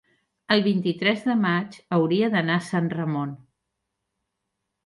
el vint-i-tres de maig hauria d'anar a Sant Ramon.